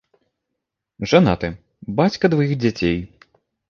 Жанаты, бацька дваіх дзяцей.